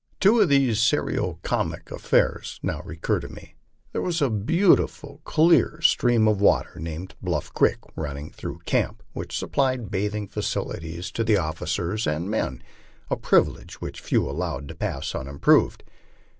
Two of these serio comic af fairs now recur to me. There was a beautiful clear stream of water, named Bluff creek, running through camp, which supplied bathing facilities to the otlicers and men, a privilege which but few allowed to pass unimproved.